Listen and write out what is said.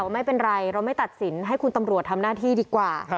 มาเกือบทุกคืนนะค่ะ